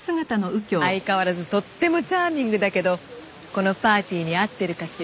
相変わらずとってもチャーミングだけどこのパーティーに合ってるかしら？